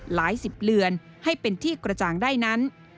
หลายสิบเรือนให้เป็นที่กระจ่างได้นั้น